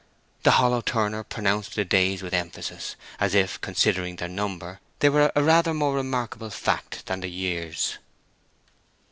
The hollow turner pronounced the days with emphasis, as if, considering their number, they were a rather more remarkable fact than the years.